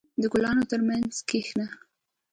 • د ګلانو ترمنځ کښېنه.